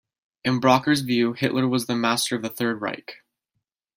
In Bracher's view, Hitler was the "Master of the Third Reich".